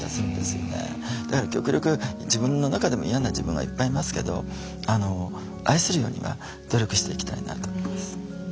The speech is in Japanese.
だから極力自分の中でも嫌な自分はいっぱいいますけど愛するようには努力していきたいなと思います。